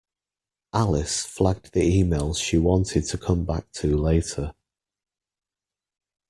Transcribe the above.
Alice flagged the emails she wanted to come back to later